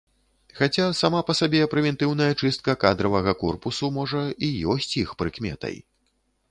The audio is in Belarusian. Хаця сама па сабе прэвентыўная чыстка кадравага корпусу, можа, і ёсць іх прыкметай.